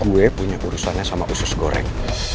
gue punya urusannya sama usus goreng